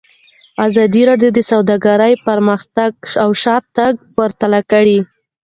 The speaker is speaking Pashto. ازادي راډیو د سوداګري پرمختګ او شاتګ پرتله کړی.